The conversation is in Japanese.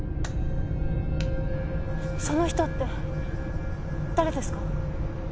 その人って誰ですか？